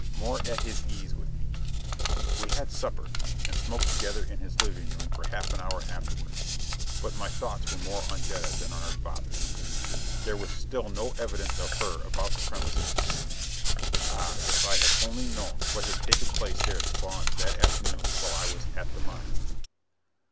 More at his ease with me. We had supper, and smoked together in his living room for half an hour afterward. But my thoughts were more on Jetta than on her father. There was still no evidence of her about the premises. Ah, if I only had known what had taken place there at Spawn's that afternoon while I was at the mine!